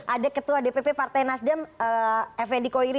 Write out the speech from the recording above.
ada ketua dpp partai nasdem f endi koiri